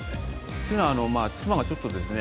というのは妻がちょっとですね